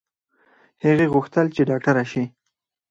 هغې غوښتل چې ډاکټره شي